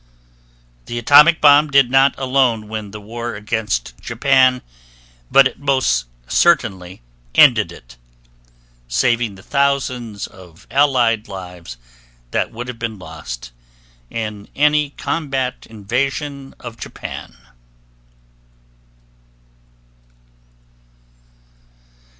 The atomic bomb did not alone win the war against Japan, but it most certainly ended it, saving the thousands of Allied lives that would have been lost in any combat invasion of Japan.